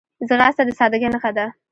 ځغاسته د سادګۍ نښه ده